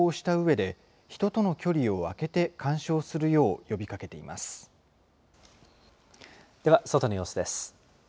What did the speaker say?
では外の様子です。